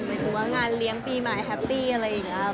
หมายถึงว่างานเลี้ยงปีใหม่แฮปปี้อะไรอย่างนี้ครับ